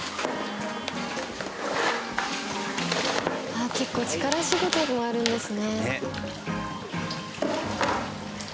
あっ結構力仕事でもあるんですね。